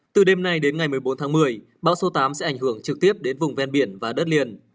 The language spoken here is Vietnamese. từ đêm nay đến ngày một mươi bốn tháng một mươi bão số tám sẽ ảnh hưởng trực tiếp đến vùng ven biển và đất liền